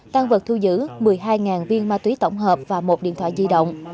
tăng vật thu giữ một mươi hai viên ma túy tổng hợp và một điện thoại di động